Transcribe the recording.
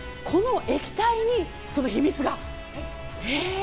この液体に、その秘密が。